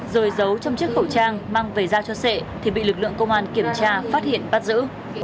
rồi giấu trong chiếc khẩu trang mang về giao cho sệ thì bị lực lượng công an kiểm tra phát hiện bắt giữ